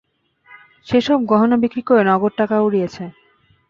সে সব গহনা বিক্রি করে নগদ টাকা উড়িয়েছে।